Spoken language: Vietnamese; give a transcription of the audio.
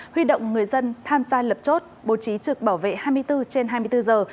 huy động người dân tham gia lập chốt bố trí trực bảo vệ hai mươi bốn trên hai mươi bốn giờ